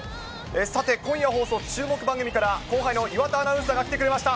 さて、今夜放送、注目番組から、後輩の岩田アナウンサーが来てくれました。